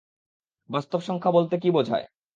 বাস্তব সংখ্যা বলতে কী বোঝায়?